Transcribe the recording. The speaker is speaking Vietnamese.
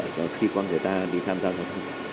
cho khí quan người ta đi tham gia giao thông